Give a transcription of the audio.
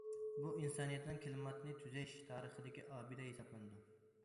بۇ، ئىنسانىيەتنىڭ كىلىماتنى تۈزەش تارىخىدىكى ئابىدە ھېسابلىنىدۇ.